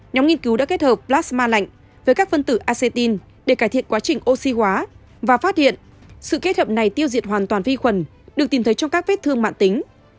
nhóm nghiên cứu đã kết hợp plasma lạnh với các phân tử acitine để cải thiện quá trình oxy hóa và phát hiện sự kết hợp này tiêu diệt hoàn toàn vi khuẩn được tìm thấy trong các vết thương mạng tính